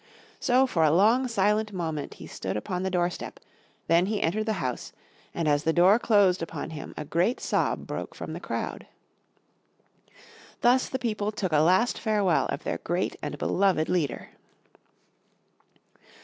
So for a long silent moment he stood upon the doorstep, then he entered the house, and as the door closed upon him a great sob broke from the crowd. Thus the people took a last farewell of their great and beloved leader.